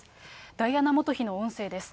ダイアナ元妃の音声です。